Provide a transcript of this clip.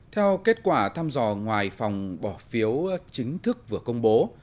theo kết quả thăm dò ngoài phòng bỏ phiếu chính thức vừa công bố